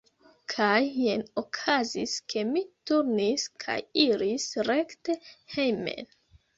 Kaj jen okazis, ke mi turnis kaj iris rekte hejmen.